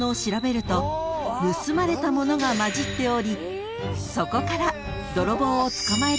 ［盗まれたものが交じっておりそこから］